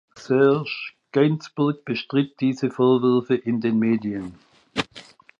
Serge Gainsbourg bestritt diese Vorwürfe in den Medien.